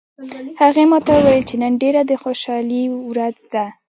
هغې ما ته وویل چې نن ډیره د خوشحالي ورځ ده